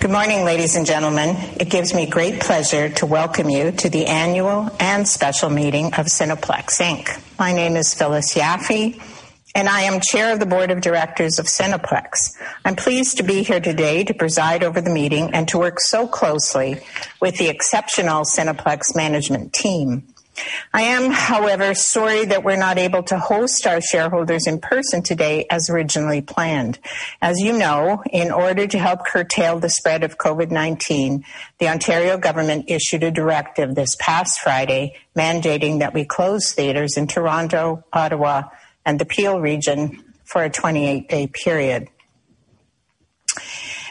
Good morning, ladies and gentlemen. It gives me great pleasure to Welcome You To The Annual And Special Meeting Of Cineplex Inc. My name is Phyllis Yaffe, and I am Chair of the Board of Directors of Cineplex. I'm pleased to be here today to preside over the meeting and to work so closely with the exceptional Cineplex management team. I am, however, sorry that we're not able to host our shareholders in person today as originally planned. As you know, in order to help curtail the spread of COVID-19, the Ontario government issued a directive this past Friday, mandating that we close theaters in Toronto, Ottawa, and the Peel Region for a 28-day period.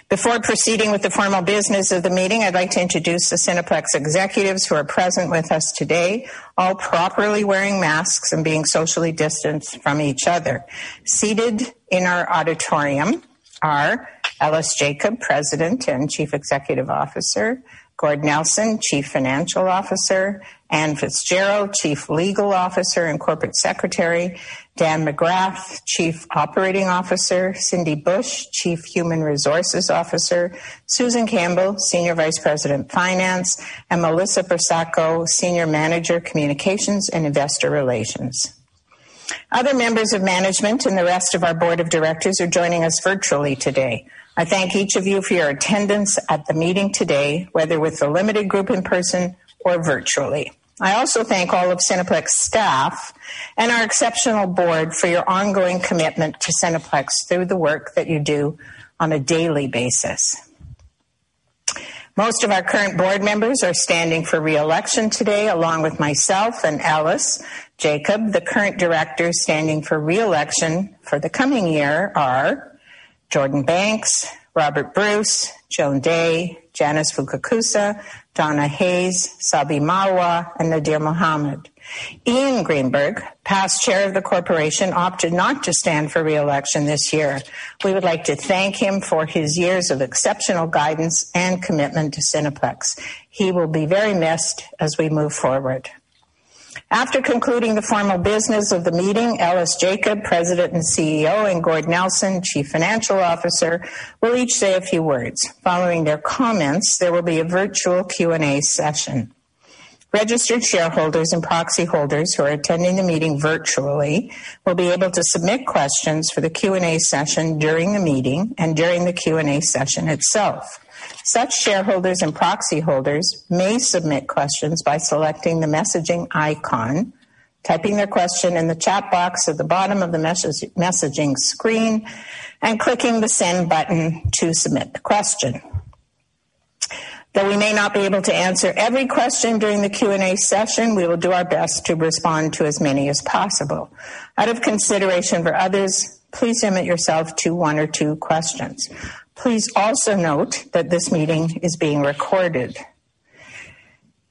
Before proceeding with the formal business of the meeting, I'd like to introduce the Cineplex executives who are present with us today, all properly wearing masks and being socially distanced from each other. Seated in our auditorium are Ellis Jacob, President and Chief Executive Officer, Gord Nelson, Chief Financial Officer, Anne Fitzgerald, Chief Legal Officer and Corporate Secretary, Dan McGrath, Chief Operating Officer, Cindy Bush, Chief Human Resources Officer, Susan Campbell, Senior Vice President, Finance, and Melissa Pressacco, Senior Manager, Communications and Investor Relations. Other members of management and the rest of our board of directors are joining us virtually today. I thank each of you for your attendance at the meeting today, whether with the limited group in person or virtually. I also thank all of Cineplex staff and our exceptional board for your ongoing commitment to Cineplex through the work that you do on a daily basis. Most of our current board members are standing for re-election today, along with myself and Ellis Jacob. The current directors standing for re-election for the coming year are Jordan Banks, Robert Bruce, Joan Dea, Janice Fukakusa, Donna Hayes, Sabi Marwah, and Nadir Mohamed. Ian Greenberg, past chair of the corporation, opted not to stand for re-election this year. We would like to thank him for his years of exceptional guidance and commitment to Cineplex. He will be very missed as we move forward. After concluding the formal business of the meeting, Ellis Jacob, President and CEO, and Gord Nelson, Chief Financial Officer, will each say a few words. Following their comments, there will be a virtual Q&A session. Registered shareholders and proxy holders who are attending the meeting virtually will be able to submit questions for the Q&A session during the meeting and during the Q&A session itself. Such shareholders and proxy holders may submit questions by selecting the messaging icon, typing their question in the chat box at the bottom of the messaging screen, and clicking the send button to submit the question. Though we may not be able to answer every question during the Q&A session, we will do our best to respond to as many as possible. Out of consideration for others, please limit yourself to one or two questions. Please also note that this meeting is being recorded.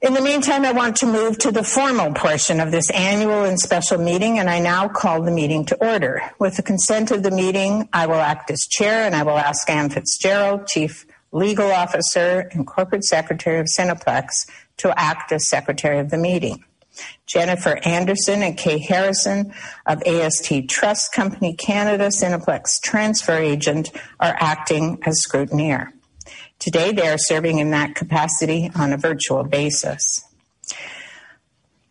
In the meantime, I want to move to the formal portion of this annual and special meeting, and I now call the meeting to order. With the consent of the meeting, I will act as chair, and I will ask Anne Fitzgerald, Chief Legal Officer and Corporate Secretary of Cineplex, to act as secretary of the meeting. Jennifer Anderson and Kay Harrison of AST Trust Company (Canada), Cineplex transfer agent, are acting as scrutineer. Today, they are serving in that capacity on a virtual basis.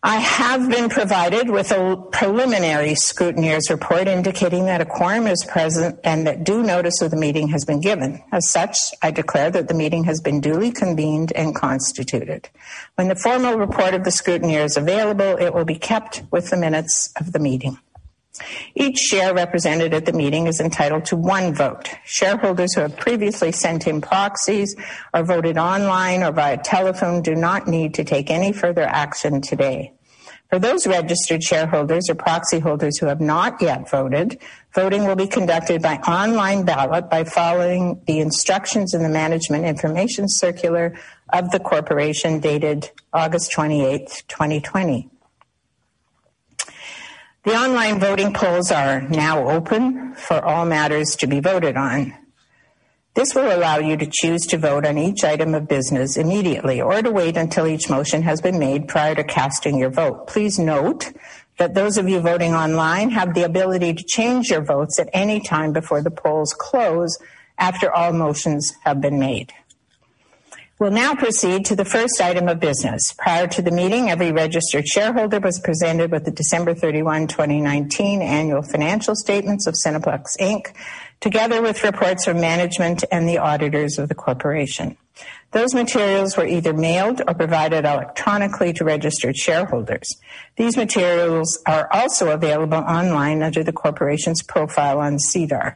I have been provided with a preliminary scrutineer's report indicating that a quorum is present and that due notice of the meeting has been given. As such, I declare that the meeting has been duly convened and constituted. When the formal report of the scrutineer is available, it will be kept with the minutes of the meeting. Each share represented at the meeting is entitled to one vote. Shareholders who have previously sent in proxies or voted online or via telephone do not need to take any further action today. For those registered shareholders or proxy holders who have not yet voted, voting will be conducted by online ballot by following the instructions in the management information circular of the corporation dated August 28th, 2020. The online voting polls are now open for all matters to be voted on. This will allow you to choose to vote on each item of business immediately or to wait until each motion has been made prior to casting your vote. Please note that those of you voting online have the ability to change your votes at any time before the polls close after all motions have been made. We'll now proceed to the first item of business. Prior to the meeting, every registered shareholder was presented with the December 31, 2019 annual financial statements of Cineplex Inc. together with reports from management and the auditors of the corporation. Those materials were either mailed or provided electronically to registered shareholders. These materials are also available online under the corporation's profile on SEDAR.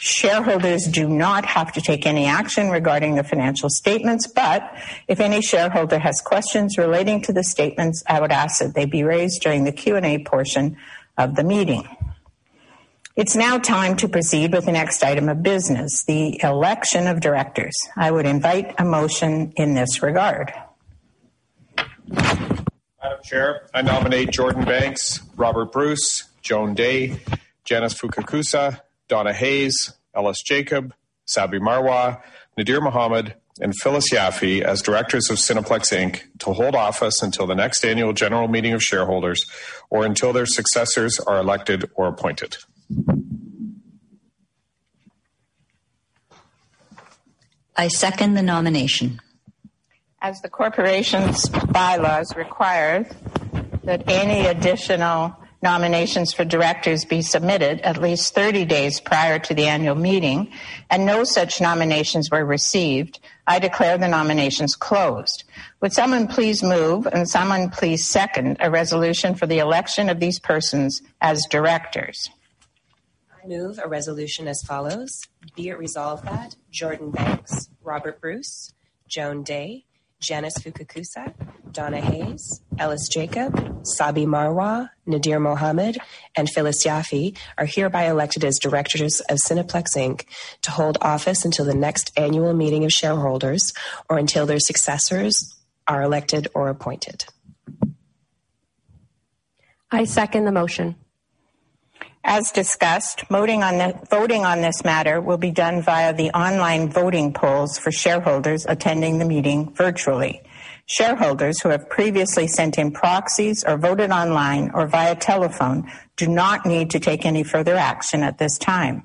Shareholders do not have to take any action regarding the financial statements. If any shareholder has questions relating to the statements, I would ask that they be raised during the Q&A portion of the meeting. It's now time to proceed with the next item of business, the election of directors. I would invite a motion in this regard. Madam Chair, I nominate Jordan Banks, Robert Bruce, Joan Dea, Janice Fukakusa, Donna Hayes, Ellis Jacob, Sabi Marwah, Nadir Mohamed, and Phyllis Yaffe as directors of Cineplex Inc. to hold office until the next annual general meeting of shareholders or until their successors are elected or appointed. I second the nomination. As the corporation's bylaws require that any additional nominations for directors be submitted at least 30 days prior to the annual meeting, and no such nominations were received, I declare the nominations closed. Would someone please move and someone please second a resolution for the election of these persons as directors. I move a resolution as follows: be it resolved that Jordan Banks, Robert Bruce, Joan Dea, Janice Fukakusa, Donna Hayes, Ellis Jacob, Sabi Marwah, Nadir Mohamed, and Phyllis Yaffe are hereby elected as directors of Cineplex Inc., to hold office until the next annual meeting of shareholders, or until their successors are elected or appointed. I second the motion. As discussed, voting on this matter will be done via the online voting polls for shareholders attending the meeting virtually. Shareholders who have previously sent in proxies or voted online or via telephone do not need to take any further action at this time.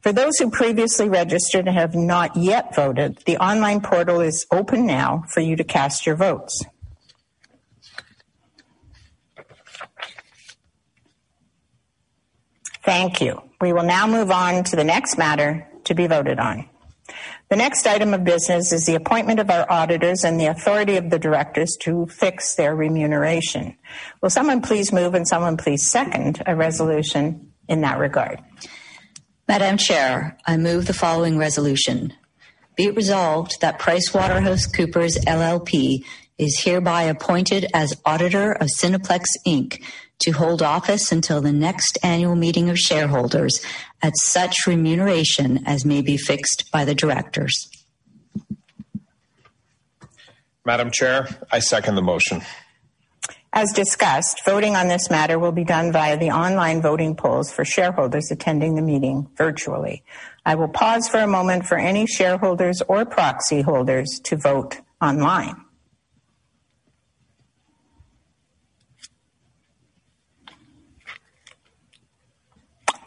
For those who previously registered and have not yet voted, the online portal is open now for you to cast your votes. Thank you. We will now move on to the next matter to be voted on. The next item of business is the appointment of our auditors and the authority of the directors to fix their remuneration. Will someone please move and someone please second a resolution in that regard. Madam Chair, I move the following resolution: be it resolved that PricewaterhouseCoopers LLP, is hereby appointed as auditor of Cineplex Inc., to hold office until the next annual meeting of shareholders at such remuneration as may be fixed by the directors. Madam Chair, I second the motion. As discussed, voting on this matter will be done via the online voting polls for shareholders attending the meeting virtually. I will pause for a moment for any shareholders or proxy holders to vote online.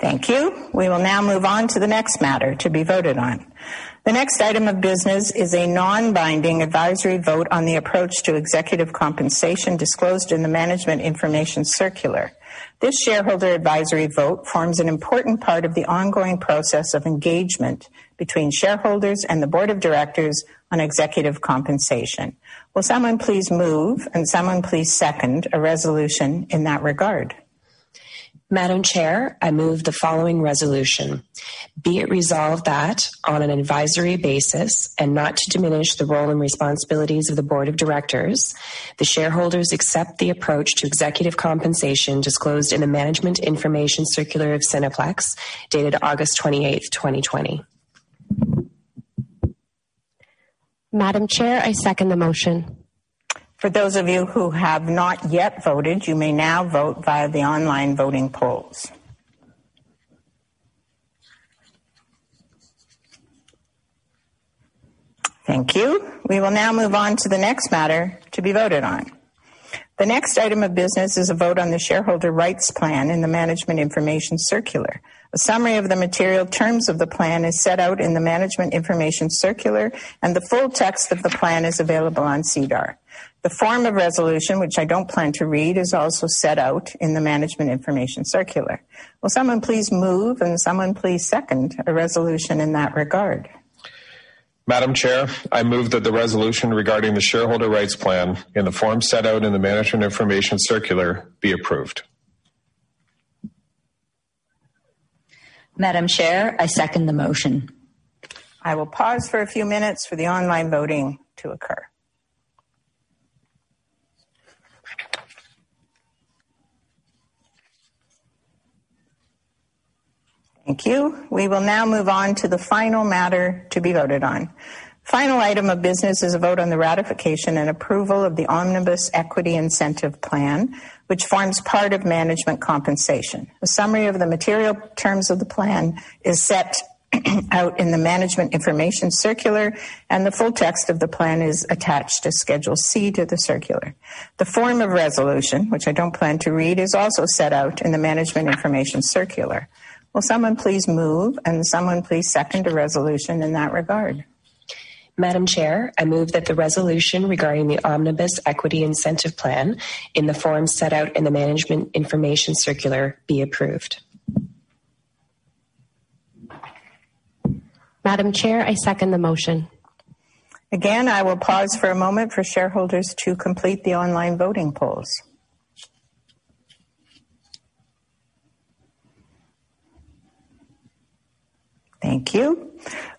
Thank you. We will now move on to the next matter to be voted on. The next item of business is a non-binding advisory vote on the approach to executive compensation disclosed in the management information circular. This shareholder advisory vote forms an important part of the ongoing process of engagement between shareholders and the board of directors on executive compensation. Will someone please move and someone please second a resolution in that regard. Madam Chair, I move the following resolution: be it resolved that on an advisory basis and not to diminish the role and responsibilities of the board of directors, the shareholders accept the approach to executive compensation disclosed in the management information circular of Cineplex dated August 28th, 2020. Madam Chair, I second the motion. For those of you who have not yet voted, you may now vote via the online voting polls. Thank you. We will now move on to the next matter to be voted on. The next item of business is a vote on the shareholder rights plan in the management information circular. A summary of the material terms of the plan is set out in the management information circular, and the full text of the plan is available on SEDAR. The form of resolution, which I don't plan to read, is also set out in the management information circular. Will someone please move, and someone please second a resolution in that regard. Madam Chair, I move that the resolution regarding the shareholder rights plan in the form set out in the management information circular be approved. Madam Chair, I second the motion. I will pause for a few minutes for the online voting to occur. Thank you. We will now move on to the final matter to be voted on. Final item of business is a vote on the ratification and approval of the Omnibus Equity Incentive Plan, which forms part of management compensation. A summary of the material terms of the plan is set out in the management information circular, and the full text of the plan is attached as Schedule C to the circular. The form of resolution, which I don't plan to read, is also set out in the management information circular. Will someone please move, and someone please second a resolution in that regard. Madam Chair, I move that the resolution regarding the Omnibus Equity Incentive Plan in the form set out in the management information circular be approved. Madam Chair, I second the motion. Again, I will pause for a moment for shareholders to complete the online voting polls. Thank you.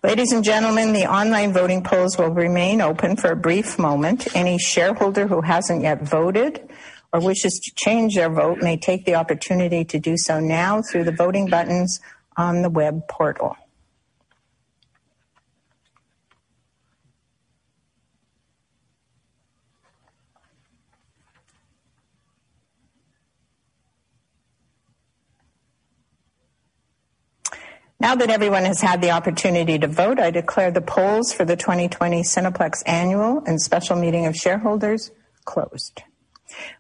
Ladies and gentlemen, the online voting polls will remain open for a brief moment. Any shareholder who hasn't yet voted or wishes to change their vote may take the opportunity to do so now through the voting buttons on the web portal. Now that everyone has had the opportunity to vote, I declare the polls for the 2020 Cineplex Annual and Special Meeting of Shareholders closed.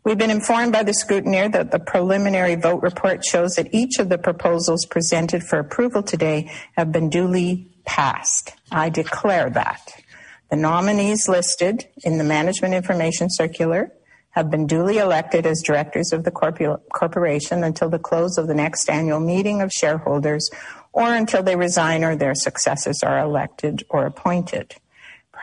We've been informed by the scrutineer that the preliminary vote report shows that each of the proposals presented for approval today have been duly passed. I declare that. The nominees listed in the management information circular have been duly elected as directors of the corporation until the close of the next annual meeting of shareholders, or until they resign or their successors are elected or appointed.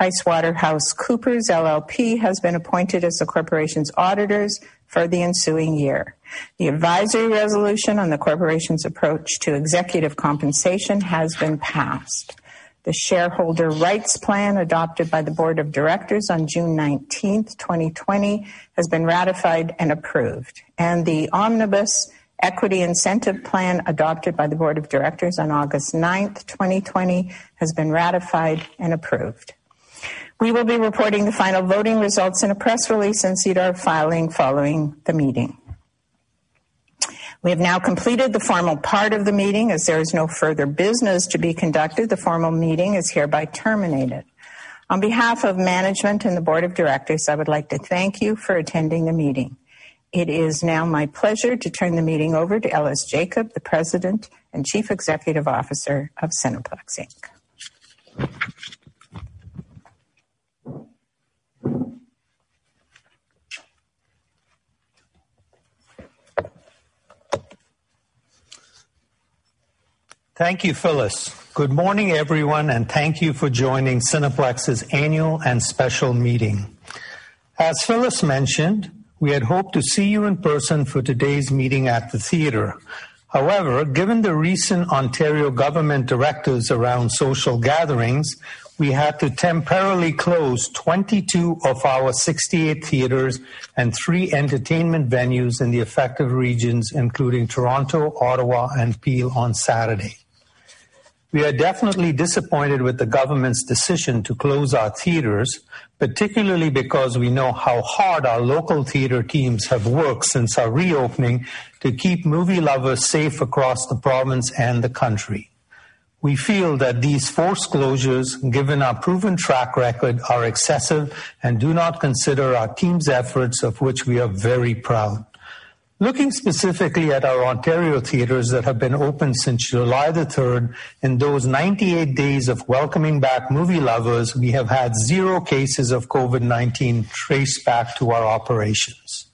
PricewaterhouseCoopers LLP has been appointed as the corporation's auditors for the ensuing year. The advisory resolution on the corporation's approach to executive compensation has been passed. The shareholder rights plan adopted by the board of directors on June 19th, 2020, has been ratified and approved, and the Omnibus Equity Incentive Plan adopted by the board of directors on August 9th, 2020, has been ratified and approved. We will be reporting the final voting results in a press release and SEDAR filing following the meeting. We have now completed the formal part of the meeting. As there is no further business to be conducted, the formal meeting is hereby terminated. On behalf of management and the board of directors, I would like to thank you for attending the meeting. It is now my pleasure to turn the meeting over to Ellis Jacob, the President and Chief Executive Officer of Cineplex Inc. Thank you, Phyllis. Good morning, everyone, and thank you for joining Cineplex's annual and special meeting. As Phyllis mentioned, we had hoped to see you in person for today's meeting at the theater. However, given the recent Ontario government directives around social gatherings, we had to temporarily close 22 of our 68 theaters and three entertainment venues in the affected regions, including Toronto, Ottawa, and Peel on Saturday. We are definitely disappointed with the government's decision to close our theaters, particularly because we know how hard our local theater teams have worked since our reopening to keep movie lovers safe across the province and the country. We feel that these forced closures, given our proven track record, are excessive and do not consider our team's efforts, of which we are very proud. Looking specifically at our Ontario theaters that have been open since July the 3rd, in those 98 days of welcoming back movie lovers, we have had zero cases of COVID-19 traced back to our operations.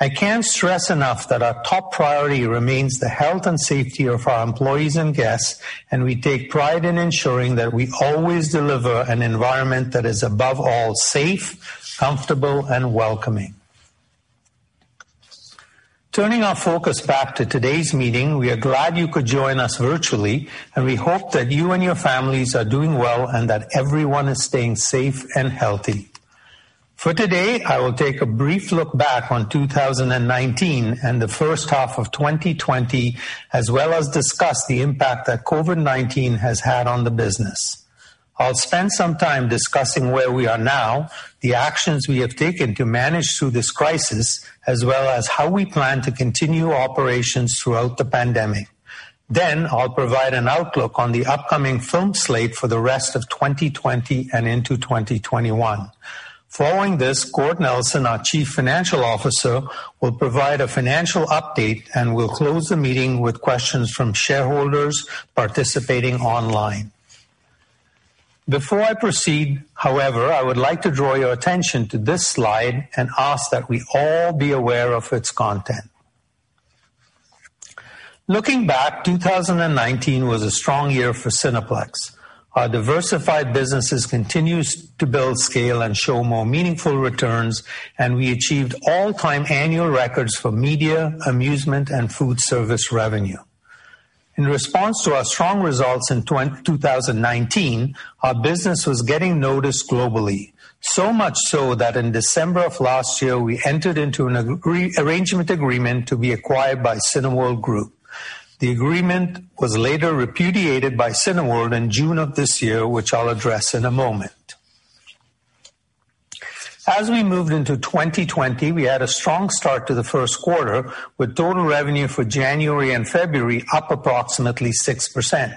I can't stress enough that our top priority remains the health and safety of our employees and guests, and we take pride in ensuring that we always deliver an environment that is above all safe, comfortable, and welcoming. Turning our focus back to today's meeting, we are glad you could join us virtually, and we hope that you and your families are doing well and that everyone is staying safe and healthy. For today, I will take a brief look back on 2019 and the first half of 2020, as well as discuss the impact that COVID-19 has had on the business. I'll spend some time discussing where we are now, the actions we have taken to manage through this crisis, as well as how we plan to continue operations throughout the pandemic. I'll provide an outlook on the upcoming film slate for the rest of 2020 and into 2021. Following this, Gord Nelson, our Chief Financial Officer, will provide a financial update, and we'll close the meeting with questions from shareholders participating online. Before I proceed, however, I would like to draw your attention to this slide and ask that we all be aware of its content. Looking back, 2019 was a strong year for Cineplex. Our diversified businesses continued to build scale and show more meaningful returns, and we achieved all-time annual records for media, amusement, and food service revenue. In response to our strong results in 2019, our business was getting noticed globally. much so that in December of last year, we entered into an arrangement agreement to be acquired by Cineworld Group. The agreement was later repudiated by Cineworld in June of this year, which I'll address in a moment. As we moved into 2020, we had a strong start to the first quarter, with total revenue for January and February up approximately 6%.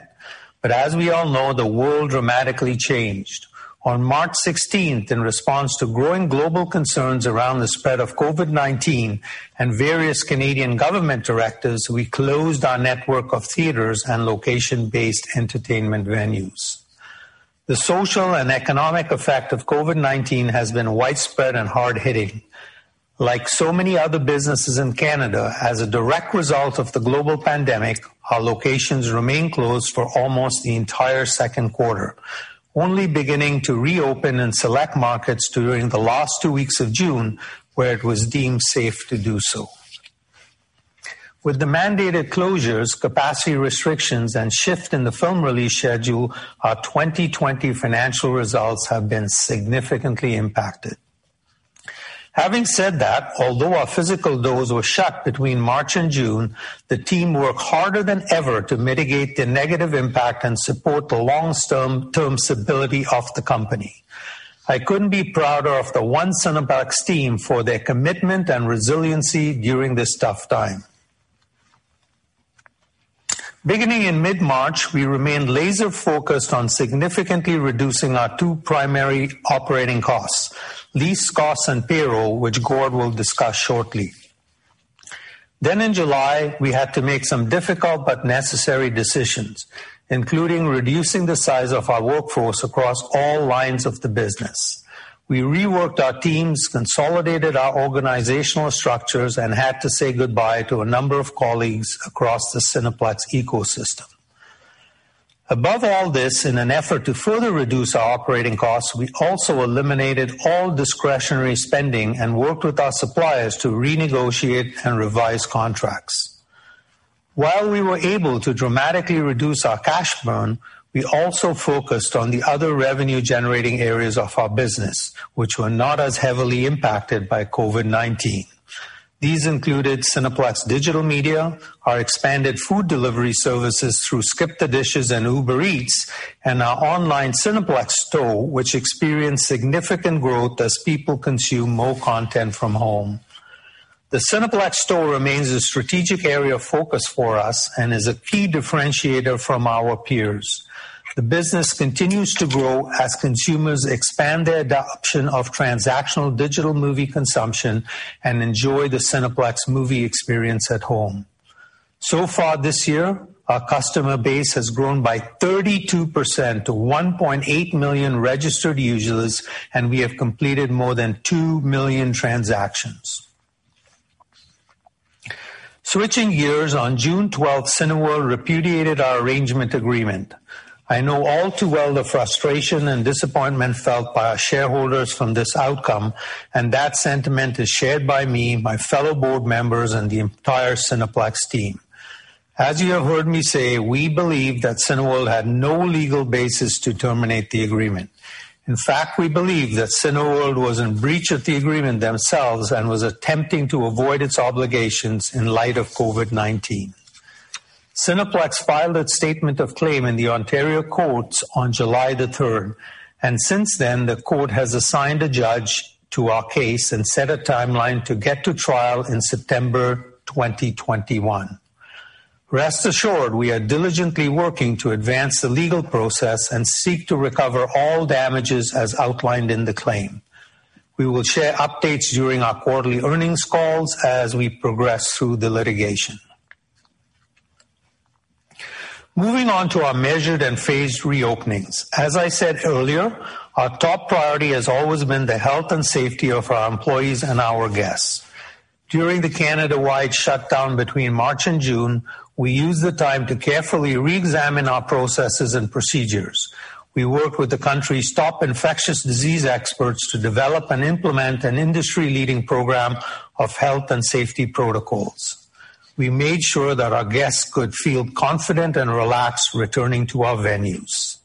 as we all know, the world dramatically changed. On March 16th, in response to growing global concerns around the spread of COVID-19 and various Canadian government directives, we closed our network of theaters and location-based entertainment venues. The social and economic effect of COVID-19 has been widespread and hard-hitting. Like so many other businesses in Canada, as a direct result of the global pandemic, our locations remained closed for almost the entire second quarter, only beginning to reopen in select markets during the last two weeks of June, where it was deemed safe to do so. With the mandated closures, capacity restrictions, and shift in the film release schedule, our 2020 financial results have been significantly impacted. Having said that, although our physical doors were shut between March and June, the team worked harder than ever to mitigate the negative impact and support the long-term stability of the company. I couldn't be prouder of the One Cineplex team for their commitment and resiliency during this tough time. Beginning in mid-March, we remained laser-focused on significantly reducing our two primary operating costs: lease costs and payroll, which Gord will discuss shortly. In July, we had to make some difficult but necessary decisions, including reducing the size of our workforce across all lines of the business. We reworked our teams, consolidated our organizational structures, and had to say goodbye to a number of colleagues across the Cineplex ecosystem. Above all this, in an effort to further reduce our operating costs, we also eliminated all discretionary spending and worked with our suppliers to renegotiate and revise contracts. While we were able to dramatically reduce our cash burn, we also focused on the other revenue-generating areas of our business, which were not as heavily impacted by COVID-19. These included Cineplex Digital Media, our expanded food delivery services through SkipTheDishes and Uber Eats, and our online Cineplex Store, which experienced significant growth as people consumed more content from home. The Cineplex Store remains a strategic area of focus for us and is a key differentiator from our peers. The business continues to grow as consumers expand their adoption of transactional digital movie consumption and enjoy the Cineplex movie experience at home. Far this year, our customer base has grown by 32% to 1.8 million registered users, and we have completed more than 2 million transactions. Switching gears, on June 12th, Cineworld repudiated our arrangement agreement. I know all too well the frustration and disappointment felt by our shareholders from this outcome, and that sentiment is shared by me, my fellow board members, and the entire Cineplex team. As you have heard me say, we believe that Cineworld had no legal basis to terminate the agreement. In fact, we believe that Cineworld was in breach of the agreement themselves and was attempting to avoid its obligations in light of COVID-19. Cineplex filed its statement of claim in the Ontario courts on July the 3rd, and since then, the court has assigned a judge to our case and set a timeline to get to trial in September 2021. Rest assured, we are diligently working to advance the legal process and seek to recover all damages as outlined in the claim. We will share updates during our quarterly earnings calls as we progress through the litigation. Moving on to our measured and phased reopenings. As I said earlier, our top priority has always been the health and safety of our employees and our guests. During the Canada-wide shutdown between March and June, we used the time to carefully reexamine our processes and procedures. We worked with the country's top infectious disease experts to develop and implement an industry-leading program of health and safety protocols. We made sure that our guests could feel confident and relaxed returning to our venues.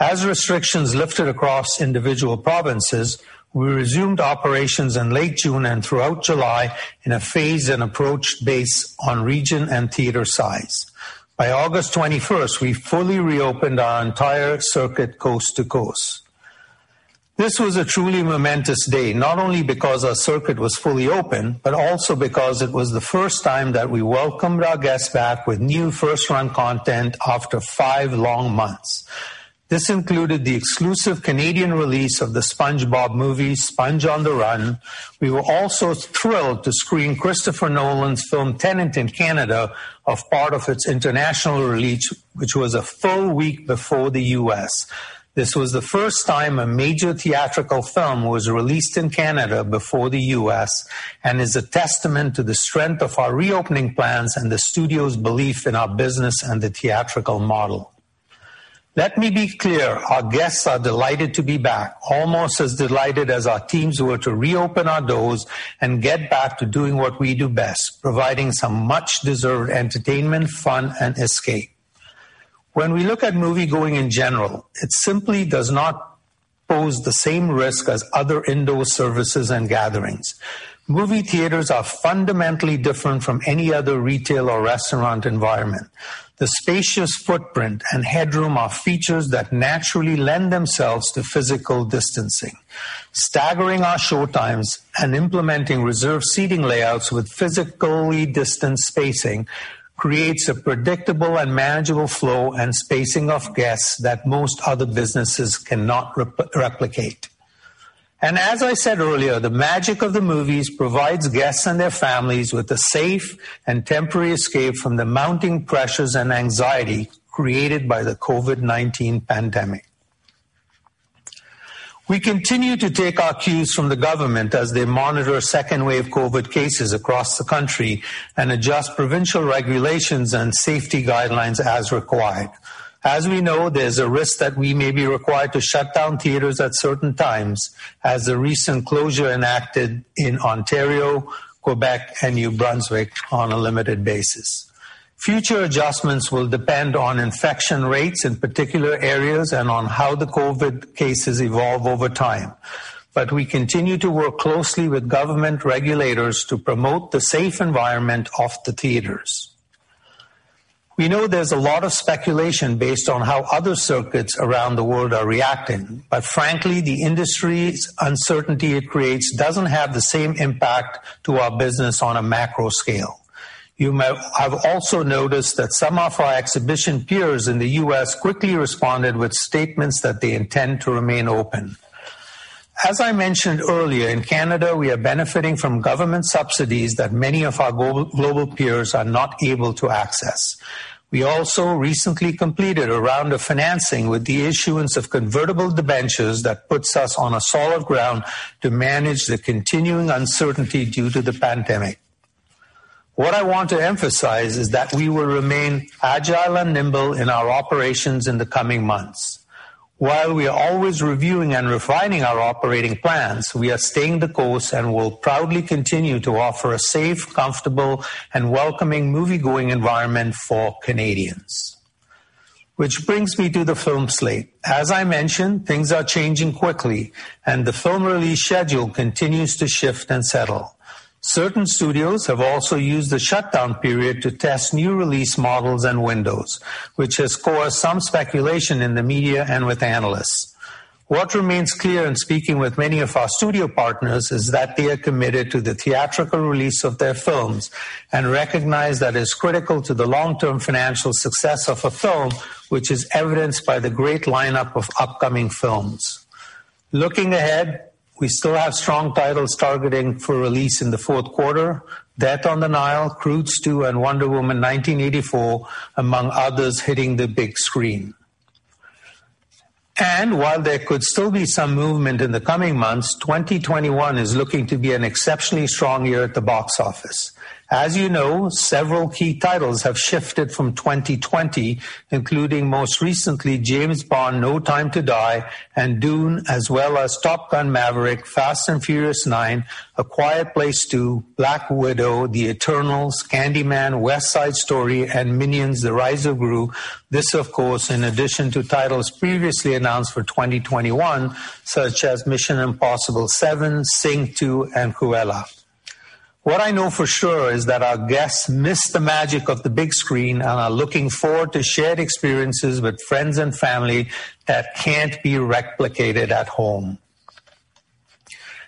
As restrictions lifted across individual provinces, we resumed operations in late June and throughout July in a phased-in approach based on region and theater size. By August 21st, we fully reopened our entire circuit coast to coast. This was a truly momentous day, not only because our circuit was fully open, but also because it was the first time that we welcomed our guests back with new first-run content after five long months. This included the exclusive Canadian release of the SpongeBob Movie: Sponge on the Run. We were also thrilled to screen Christopher Nolan's film, Tenet, in Canada as part of its international release, which was a full week before the U.S. This was the first time a major theatrical film was released in Canada before the U.S. and is a testament to the strength of our reopening plans and the studio's belief in our business and the theatrical model. Let me be clear. Our guests are delighted to be back, almost as delighted as our teams were to reopen our doors and get back to doing what we do best, providing some much-deserved entertainment, fun, and escape. When we look at moviegoing in general, it simply does not pose the same risk as other indoor services and gatherings. Movie theaters are fundamentally different from any other retail or restaurant environment. The spacious footprint and headroom are features that naturally lend themselves to physical distancing. Staggering our show times and implementing reserved seating layouts with physically distant spacing creates a predictable and manageable flow and spacing of guests that most other businesses cannot replicate. As I said earlier, the magic of the movies provides guests and their families with a safe and temporary escape from the mounting pressures and anxiety created by the COVID-19 pandemic. We continue to take our cues from the government as they monitor a second wave of COVID cases across the country and adjust provincial regulations and safety guidelines as required. As we know, there's a risk that we may be required to shut down theaters at certain times, as the recent closure enacted in Ontario, Quebec, and New Brunswick on a limited basis. Future adjustments will depend on infection rates in particular areas and on how the COVID cases evolve over time. We continue to work closely with government regulators to promote the safe environment of the theaters. We know there's a lot of speculation based on how other circuits around the world are reacting, but frankly, the industry's uncertainty it creates doesn't have the same impact to our business on a macro scale. You may have also noticed that some of our exhibition peers in the U.S. quickly responded with statements that they intend to remain open. As I mentioned earlier, in Canada, we are benefiting from government subsidies that many of our global peers are not able to access. We also recently completed a round of financing with the issuance of convertible debentures that puts us on a solid ground to manage the continuing uncertainty due to the pandemic. What I want to emphasize is that we will remain agile and nimble in our operations in the coming months. While we are always reviewing and refining our operating plans, we are staying the course and will proudly continue to offer a safe, comfortable, and welcoming moviegoing environment for Canadians. Which brings me to the film slate. As I mentioned, things are changing quickly and the film release schedule continues to shift and settle. Certain studios have also used the shutdown period to test new release models and windows, which has caused some speculation in the media and with analysts. What remains clear in speaking with many of our studio partners is that they are committed to the theatrical release of their films and recognize that it's critical to the long-term financial success of a film, which is evidenced by the great lineup of upcoming films. Looking ahead, we still have strong titles targeting for release in the fourth quarter. Death on the Nile, Croods 2, and Wonder Woman 1984, among others, hitting the big screen. While there could still be some movement in the coming months, 2021 is looking to be an exceptionally strong year at the box office. As you know, several key titles have shifted from 2020, including most recently, James Bond: No Time to Die and Dune, as well as Top Gun: Maverick, Fast & Furious 9, A Quiet Place 2, Black Widow, The Eternals, Candyman, West Side Story, and Minions: The Rise of Gru. This, of course, in addition to titles previously announced for 2021, such as Mission Impossible 7, Sing 2, and Cruella. What I know for sure is that our guests miss the magic of the big screen and are looking forward to shared experiences with friends and family that can't be replicated at home.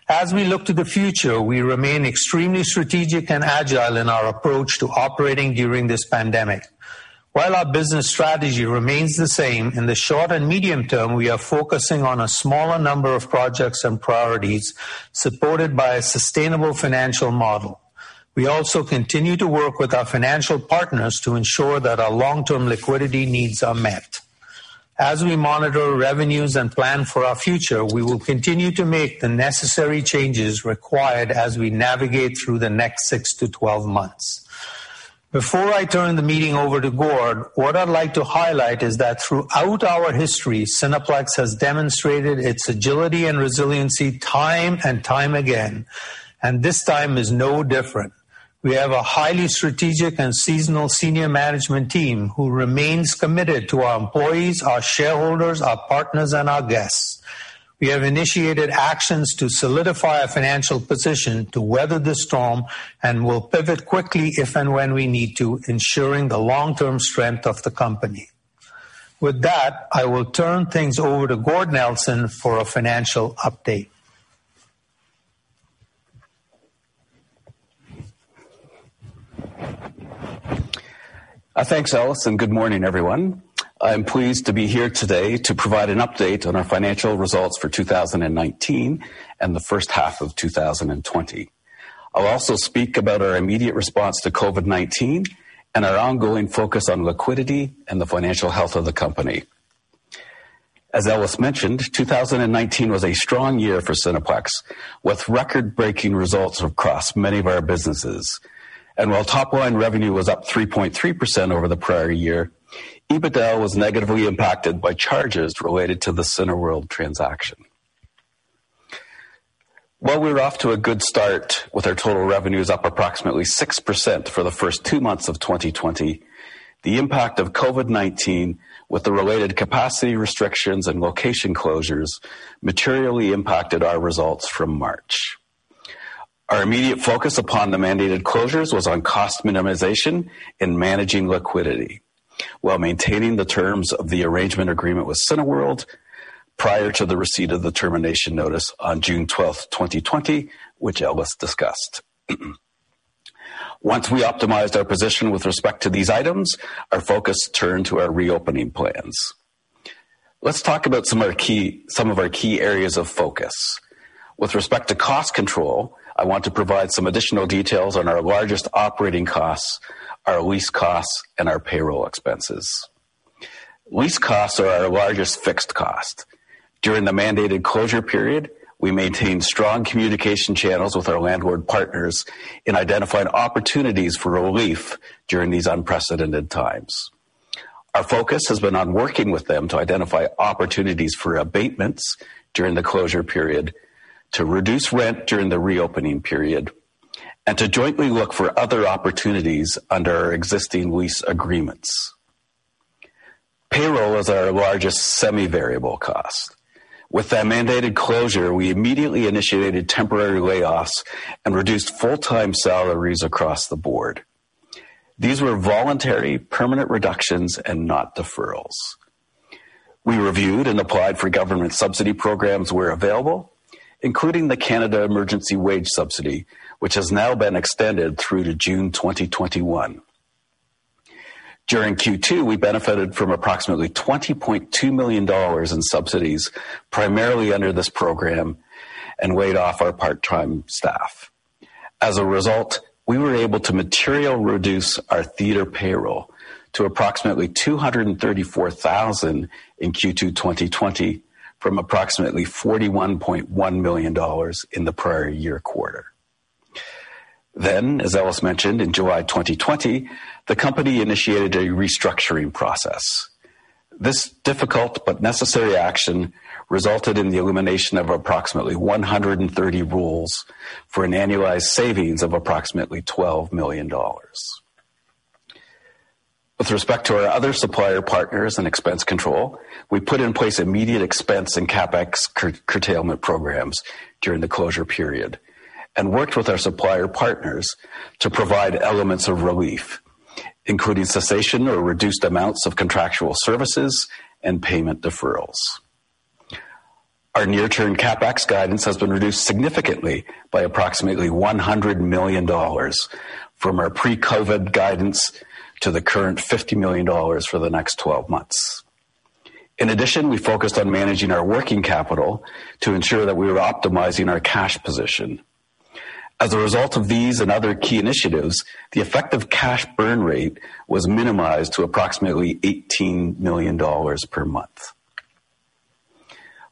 As we look to the future, we remain extremely strategic and agile in our approach to operating during this pandemic. While our business strategy remains the same, in the short and medium term, we are focusing on a smaller number of projects and priorities supported by a sustainable financial model. We also continue to work with our financial partners to ensure that our long-term liquidity needs are met. As we monitor revenues and plan for our future, we will continue to make the necessary changes required as we navigate through the next 6-12 months. Before I turn the meeting over to Gord, what I'd like to highlight is that throughout our history, Cineplex has demonstrated its agility and resiliency time and time again, and this time is no different. We have a highly strategic and seasonal senior management team who remains committed to our employees, our shareholders, our partners, and our guests. We have initiated actions to solidify our financial position to weather the storm and will pivot quickly if and when we need to, ensuring the long-term strength of the company. With that, I will turn things over to Gord Nelson for a financial update. Thanks, Ellis, and good morning, everyone. I'm pleased to be here today to provide an update on our financial results for 2019 and the first half of 2020. I'll also speak about our immediate response to COVID-19 and our ongoing focus on liquidity and the financial health of the company. As Ellis mentioned, 2019 was a strong year for Cineplex, with record-breaking results across many of our businesses. While top-line revenue was up 3.3% over the prior year, EBITDA was negatively impacted by charges related to the Cineworld transaction. While we're off to a good start with our total revenues up approximately 6% for the first two months of 2020, the impact of COVID-19 with the related capacity restrictions and location closures materially impacted our results from March. Our immediate focus upon the mandated closures was on cost minimization and managing liquidity while maintaining the terms of the arrangement agreement with Cineworld prior to the receipt of the termination notice on June 12th, 2020, which Ellis discussed. Once we optimized our position with respect to these items, our focus turned to our reopening plans. Let's talk about some of our key areas of focus. With respect to cost control, I want to provide some additional details on our largest operating costs, our lease costs, and our payroll expenses. Lease costs are our largest fixed cost. During the mandated closure period, we maintained strong communication channels with our landlord partners in identifying opportunities for relief during these unprecedented times. Our focus has been on working with them to identify opportunities for abatements during the closure period, to reduce rent during the reopening period, and to jointly look for other opportunities under our existing lease agreements. Payroll is our largest semi-variable cost. With that mandated closure, we immediately initiated temporary layoffs and reduced full-time salaries across the board. These were voluntary permanent reductions and not deferrals. We reviewed and applied for government subsidy programs where available, including the Canada Emergency Wage Subsidy, which has now been extended through to June 2021. During Q2, we benefited from approximately 20.2 million dollars in subsidies, primarily under this program, and laid off our part-time staff. As a result, we were able to materially reduce our theater payroll to approximately 234,000 in Q2 2020 from approximately 41.1 million dollars in the prior year quarter. As Ellis mentioned, in July 2020, the company initiated a restructuring process. This difficult but necessary action resulted in the elimination of approximately 130 roles for an annualized savings of approximately 12 million dollars. With respect to our other supplier partners and expense control, we put in place immediate expense and CapEx curtailment programs during the closure period and worked with our supplier partners to provide elements of relief, including cessation or reduced amounts of contractual services and payment deferrals. Our near-term CapEx guidance has been reduced significantly by approximately 100 million dollars from our pre-COVID guidance to the current 50 million dollars for the next 12 months. In addition, we focused on managing our working capital to ensure that we were optimizing our cash position. As a result of these and other key initiatives, the effective cash burn rate was minimized to approximately 18 million dollars per month.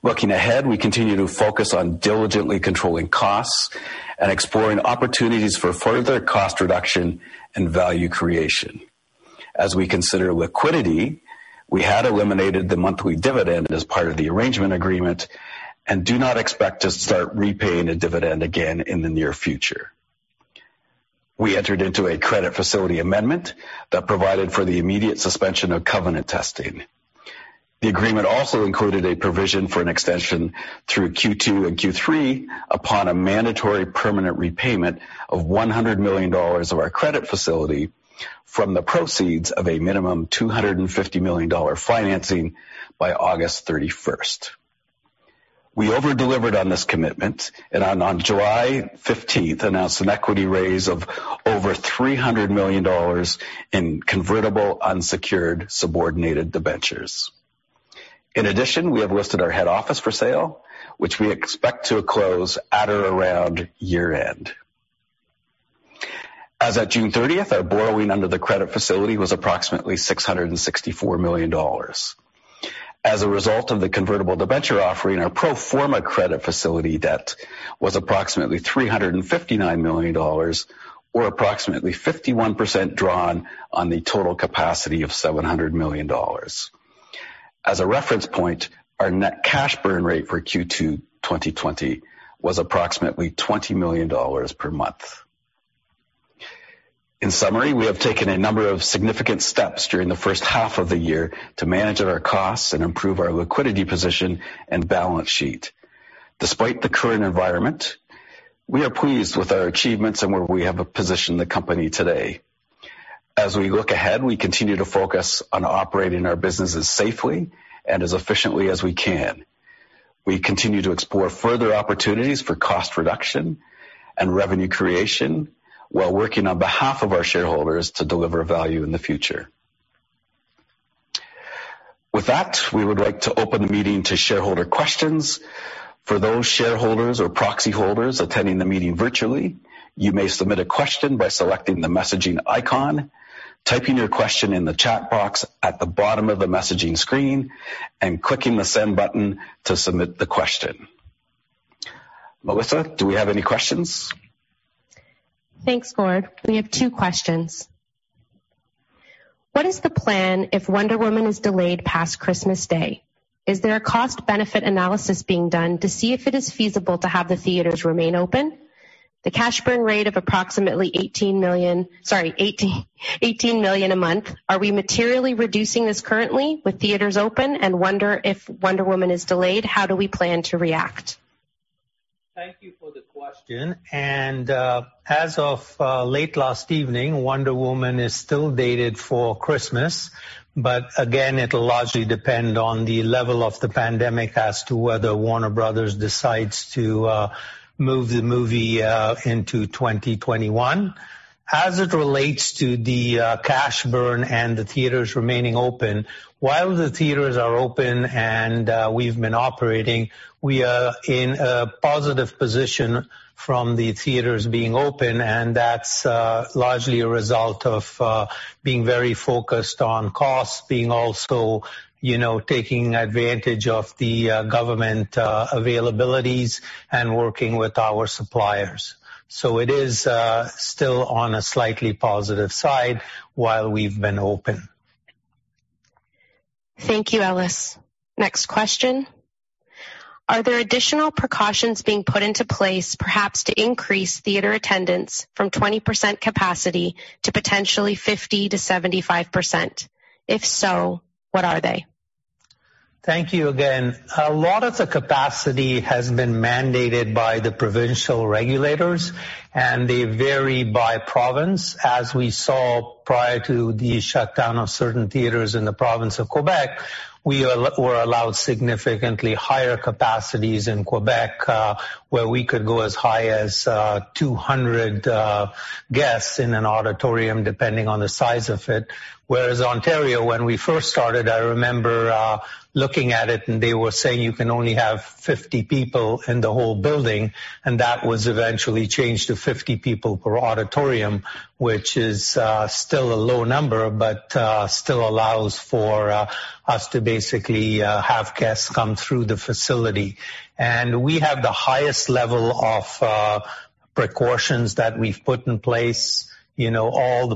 Looking ahead, we continue to focus on diligently controlling costs and exploring opportunities for further cost reduction and value creation. As we consider liquidity, we had eliminated the monthly dividend as part of the arrangement agreement and do not expect to start repaying a dividend again in the near future. We entered into a credit facility amendment that provided for the immediate suspension of covenant testing. The agreement also included a provision for an extension through Q2 and Q3 upon a mandatory permanent repayment of 100 million dollars of our credit facility from the proceeds of a minimum 250 million dollar financing by August 31st. We over-delivered on this commitment, and on July 15th announced an equity raise of over 300 million dollars in convertible unsecured subordinated debentures. In addition, we have listed our head office for sale, which we expect to close at or around year-end. As at June 30th, our borrowing under the credit facility was approximately 664 million dollars. As a result of the convertible debenture offering, our pro forma credit facility debt was approximately 359 million dollars, or approximately 51% drawn on the total capacity of 700 million dollars. As a reference point, our net cash burn rate for Q2 2020 was approximately 20 million dollars per month. In summary, we have taken a number of significant steps during the first half of the year to manage our costs and improve our liquidity position and balance sheet. Despite the current environment, we are pleased with our achievements and where we have positioned the company today. As we look ahead, we continue to focus on operating our businesses safely and as efficiently as we can. We continue to explore further opportunities for cost reduction and revenue creation while working on behalf of our shareholders to deliver value in the future. With that, we would like to open the meeting to shareholder questions. For those shareholders or proxy holders attending the meeting virtually, you may submit a question by selecting the messaging icon, typing your question in the chat box at the bottom of the messaging screen, and clicking the send button to submit the question. Melissa, do we have any questions? Thanks, Gord. We have two questions. What is the plan if Wonder Woman 1984 is delayed past Christmas Day? Is there a cost-benefit analysis being done to see if it is feasible to have the theaters remain open? The cash burn rate of approximately 18 million a month, are we materially reducing this currently with theaters open? Wonder if Wonder Woman 1984 is delayed, how do we plan to react? Thank you for the question. As of late last evening, Wonder Woman 1984 is still dated for Christmas. Again, it'll largely depend on the level of the pandemic as to whether Warner Bros. decides to move the movie into 2021. As it relates to the cash burn and the theaters remaining open, while the theaters are open and we've been operating, we are in a positive position from the theaters being open, and that's largely a result of being very focused on costs, being also taking advantage of the government availabilities and working with our suppliers. It is still on a slightly positive side while we've been open. Thank you, Ellis. Next question. Are there additional precautions being put into place, perhaps to increase theater attendance from 20% capacity to potentially 50% to 75%? If so, what are they? Thank you again. A lot of the capacity has been mandated by the provincial regulators, and they vary by province. As we saw prior to the shutdown of certain theaters in the province of Quebec, we were allowed significantly higher capacities in Quebec, where we could go as high as 200 guests in an auditorium, depending on the size of it. Whereas Ontario, when we first started, I remember looking at it, and they were saying you can only have 50 people in the whole building, and that was eventually changed to 50 people per auditorium, which is still a low number, but still allows for us to basically have guests come through the facility. We have the highest level of precautions that we've put in place, all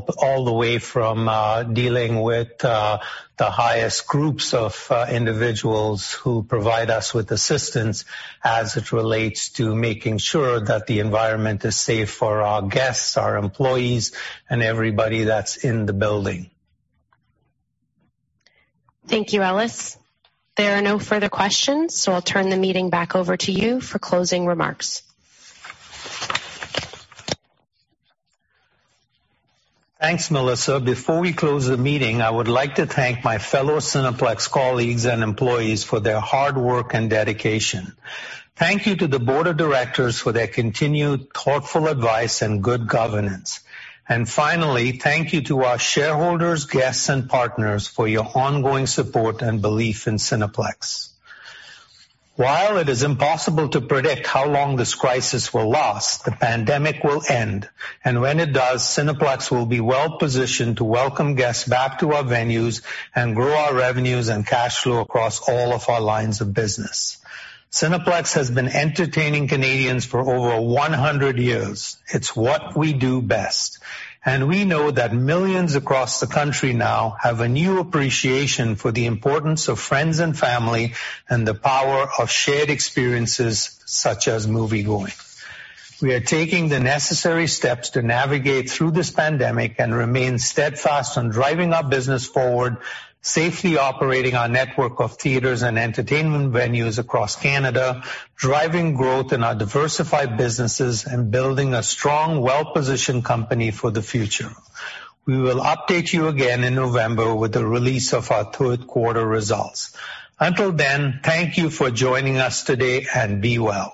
the way from dealing with the highest groups of individuals who provide us with assistance as it relates to making sure that the environment is safe for our guests, our employees, and everybody that's in the building. Thank you, Ellis. There are no further questions, so I'll turn the meeting back over to you for closing remarks. Thanks, Melissa. Before we close the meeting, I would like to thank my fellow Cineplex colleagues and employees for their hard work and dedication. Thank you to the board of directors for their continued thoughtful advice and good governance. Finally, thank you to our shareholders, guests, and partners for your ongoing support and belief in Cineplex. While it is impossible to predict how long this crisis will last, the pandemic will end. When it does, Cineplex will be well-positioned to welcome guests back to our venues and grow our revenues and cash flow across all of our lines of business. Cineplex has been entertaining Canadians for over 100 years. It's what we do best. We know that millions across the country now have a new appreciation for the importance of friends and family and the power of shared experiences such as moviegoing. We are taking the necessary steps to navigate through this pandemic and remain steadfast on driving our business forward, safely operating our network of theaters and entertainment venues across Canada, driving growth in our diversified businesses, and building a strong, well-positioned company for the future. We will update you again in November with the release of our third quarter results. Until then, thank you for joining us today, and be well.